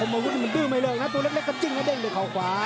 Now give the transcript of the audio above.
อาวุธนี่มันดื้อไม่เลิกนะตัวเล็กก็จิ้นแล้วเด้งด้วยเขาขวา